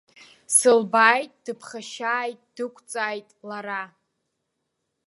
Сылбааит, дыԥхашьааит, дықәҵааит лара.